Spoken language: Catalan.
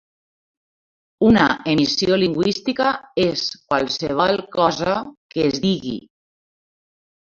Una emissió lingüística és qualsevol cosa que es digui.